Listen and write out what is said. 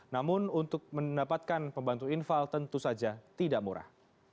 namun untuk mendapatkan pembantu infal tentu saja tidak murah